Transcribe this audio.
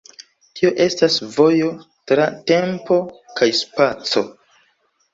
Tio estas vojo tra tempo kaj spaco.